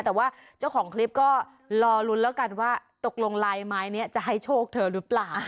แต่ว่าเจ้าของคลิปก็รอลุ้นแล้วกันว่าตกลงลายไม้นี้จะให้โชคเธอหรือเปล่า